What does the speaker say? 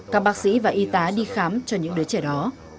các bác sĩ và y tá đi khám cho những đứa trẻ đó